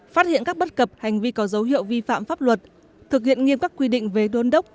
phát hiện các bất cập hành vi có dấu hiệu vi phạm pháp luật thực hiện nghiêm các quy định về đôn đốc